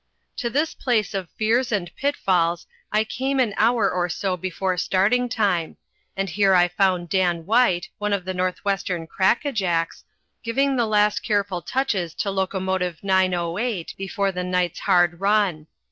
To this place of fears and pitfalls I came an hour or so before starting time, and here I found Dan White, one of the Northwestern crack a jacks, giving the last careful touches to locomotive 908 before the night's hard run.